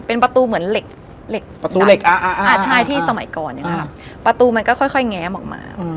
เป็นประตูเหมือนเหล็กประตูเหล็กใช่ที่สมัยก่อนประตูมันก็ค่อยแง้มออกมา